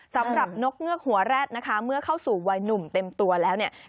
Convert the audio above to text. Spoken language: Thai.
นกเงือกหัวแร็ดนะคะเมื่อเข้าสู่วัยหนุ่มเต็มตัวแล้วเนี่ย